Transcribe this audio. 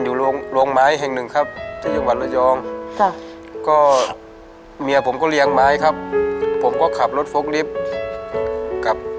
ทำวันจันทร์ถึงวันเสาร์ครับ